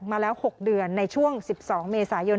มาแล้ว๖เดือนในช่วง๑๒เมษายน